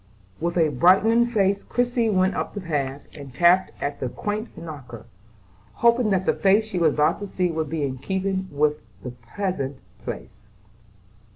With a brightening face Christie went up the path, and tapped at the quaint knocker, hoping that the face she was about to see would be in keeping with the pleasant place.